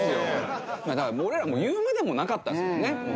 だから俺ら言うまでもなかったですもんね。